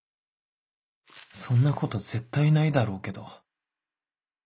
そんなこと絶対ないだろうけど